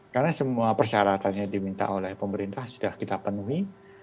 karena semua persyaratannya diminta oleh pemerintah sudah kita penuhi